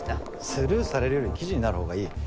スルーされるより記事になる方がいい。